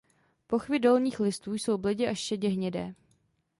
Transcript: Pochvy dolních listů jsou bledě až šedě hnědé.